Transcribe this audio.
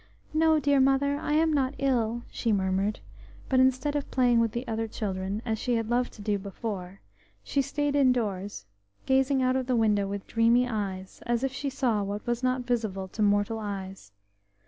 "No, dear Mother, I am not ill," she murmured, but instead of playing with the other children, as she had loved to do before, she stayed indoors, gazing out of the window with dreamy eyes, as if she saw what was not visible to mortal eyes.